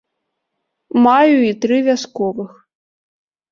Маю і тры вясковых.